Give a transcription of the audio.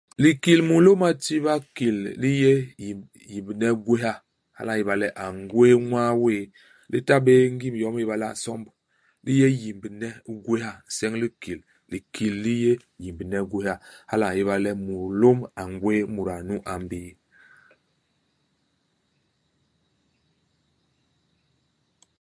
Likil mulôm a nti bakil, li yé yim yimbne i gwéha. Hala a ñéba la a ngwés ñwaa wéé. Li ta bé ngim yom i ñéba le a nsomb. Li yé yimbne i gwéha. Nseñ u likil. Likil li yé yimbne i gwéha. Hala a ñéba le mulôm a ngwés imuda nu m'bii.